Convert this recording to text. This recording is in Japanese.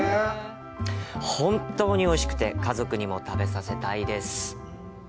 本当においしくて家族にも食べさせたいです。